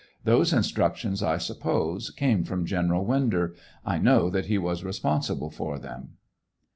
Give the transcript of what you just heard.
Those instructions, I suppose, came from General Winder. I know that he was responsible for them.